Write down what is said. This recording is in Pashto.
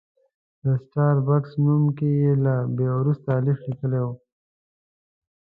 د سټار بکس نوم کې یې له بي وروسته الف لیکلی و.